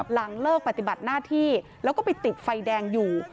หลังเลิกปฏิบัติหน้าที่แล้วก็ไปติดไฟแดงอยู่